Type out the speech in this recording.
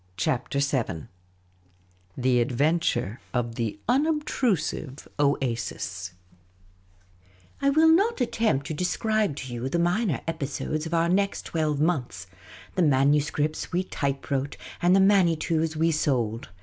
CHAPTER VII THE advunture; of the unobtrusive oasis I WILL not attempt to describe to you the minor episodes of our next twelve months— the manuscripts we type wrote and the Manitous we sold.